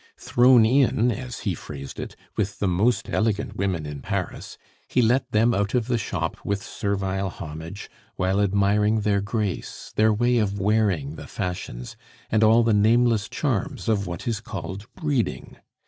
Thrown in as he phrased it with the most elegant women in Paris, he let them out of the shop with servile homage, while admiring their grace, their way of wearing the fashions, and all the nameless charms of what is called breeding.